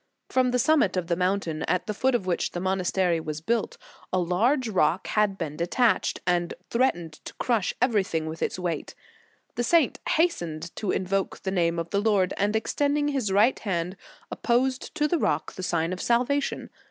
From the summit of the mountain, at the foot of which the monastery was built, a large rock had been detached, and threatened to crush everything with its weight. The saint hastened to invoke the name of the Lord, and extending his right hand, opposed to the rock the sign of salva tion.